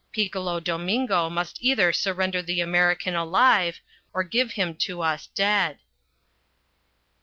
Piccolo Domingo must either surrender the American alive, or give him to us dead.